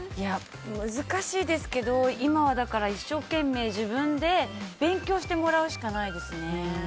難しいですけど今はだから一生懸命自分で勉強してもらうしかないですね。